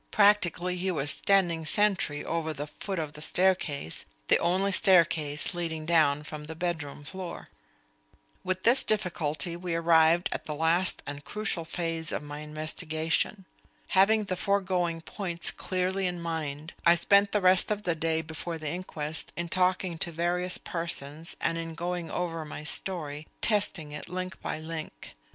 Practically he was standing sentry over the foot of the staircase, the only staircase leading down from the bedroom floor. With this difficulty we arrive at the last and crucial phase of my investigation. Having the foregoing points clearly in mind, I spent the rest of the day before the inquest in talking to various persons and in going over my story, testing it link by link.